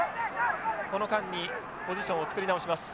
この間にポジションを作り直します。